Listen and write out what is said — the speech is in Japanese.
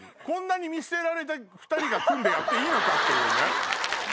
こんなに見捨てられた２人が組んでやっていいのかっていうね。